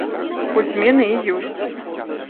Хоць змены і ёсць.